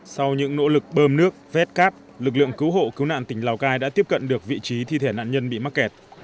sau những nỗ lực bơm nước vét cáp lực lượng cứu hộ cứu nạn tỉnh lào cai đã tiếp cận được vị trí thi thể nạn nhân bị mắc kẹt